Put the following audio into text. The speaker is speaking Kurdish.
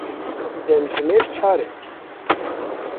Demjimêr çar e.